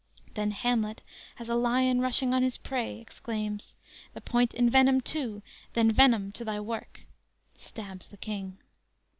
"_ Then Hamlet, as a lion rushing on his prey, exclaims: "The point envenomed too, Then, venom, to thy work." (Stabs the King.)